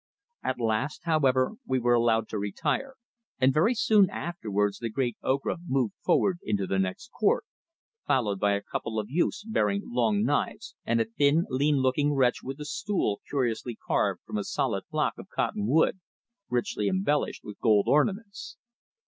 At last, however, we were allowed to retire, and very soon afterwards the great Ocra moved forward into the next court, followed by a couple of youths bearing long knives and a thin, lean looking wretch with a stool curiously carved from a solid block of cotton wood, richly embellished with gold ornaments.